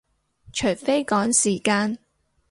除非趕時間